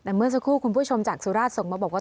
แต่เมื่อสักครู่คุณผู้ชมจากสุราชส่งมาบอกว่า